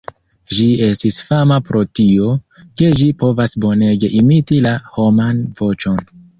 Ĝis estis fama pro tio, ke ĝi povas bonege imiti la homan voĉon.